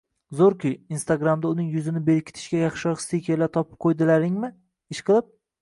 - Zo'rku! Instagramda uning yuzini berkitishga yaxshiroq stikerlar topib qo'ydinglarmi, ishqilib?